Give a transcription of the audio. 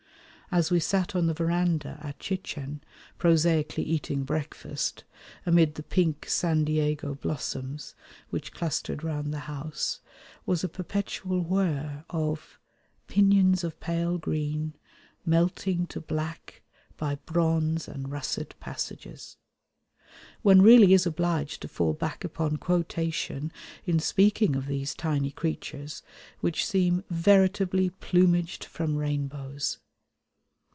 As we sat on the verandah at Chichen prosaically eating breakfast, amid the pink San Diego blossoms which clustered round the house was a perpetual whirr of "Pinions of pale green, melting to black By bronze and russet passages." One really is obliged to fall back upon quotation in speaking of these tiny creatures, which seem veritably "plumaged from rainbows."